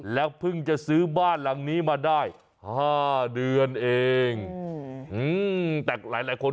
แล้วเพิ่งจะซื้อบ้านหลังนี้มาได้๕เดือนเองแต่หลายหลายคน